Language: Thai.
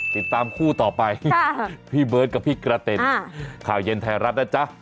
ติดตามคู่ต่อไปพี่เบิร์ตกับพี่กระเต็นข่าวเย็นไทยรัฐนะจ๊ะ